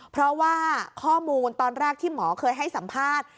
เพราะว่าข้อมูลตอนแรกที่หมอเคยให้สัมภาษณ์